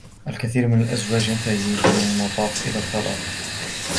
الكثير من الأزواج ينتهي بهم المطاف إلى الطلاق.